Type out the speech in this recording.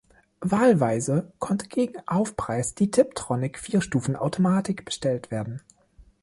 Wahlweise konnte gegen Aufpreis die Tiptronic-Vierstufen-Automatik bestellt werden.